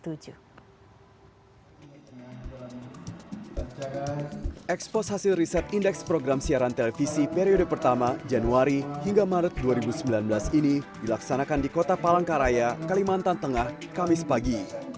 ekspos hasil riset indeks program siaran televisi periode pertama januari hingga maret dua ribu sembilan belas ini dilaksanakan di kota palangkaraya kalimantan tengah kamis pagi